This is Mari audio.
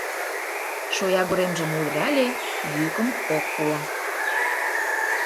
Шоягоремжым удырале — йӱкым ок пуо.